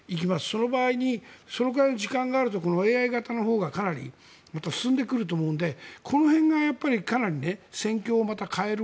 その場合にそのくらいの時間があるとＡＩ型のほうがかなり進んでくると思うのでこの辺がかなり戦況を変える。